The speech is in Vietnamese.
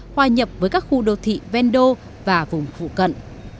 hoài nhập với các khu đô thị vendô và vùng phụ cận